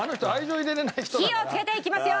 火をつけていきますよ！